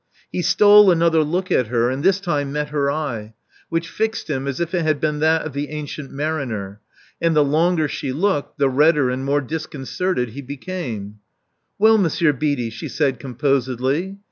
He stole another look at her, and this time met her eye, which fixed him as if it had been that of the ancient mariner: and the longer she looked, the redder and more disconcerted he became. Well Monsieur Beatty," she said composedly.